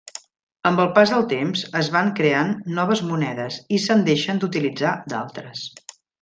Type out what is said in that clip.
Amb el pas del temps, es van creant noves monedes i se'n deixen d'utilitzar d'altres.